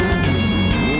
pak aku mau ke sana